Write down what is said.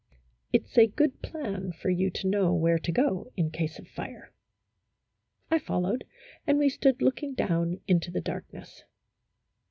" It 's a good plan for you to know where to go in case of fire." I followed, and we stood looking down into the darkness.